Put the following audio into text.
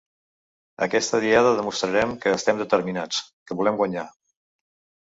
Aquesta Diada demostrarem que estem determinats, que volem guanyar.